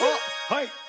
はい！